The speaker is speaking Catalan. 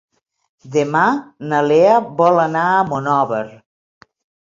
Demà na Lea vol anar a Monòver.